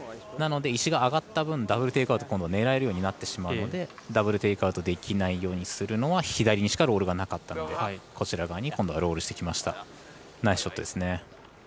なので、石が上がった分ダブル・テイクアウトが狙えるようになってしまうのでダブル・テイクアウトできないようにするのが左にしかロールがなかったのでこちら側にロールしてきました。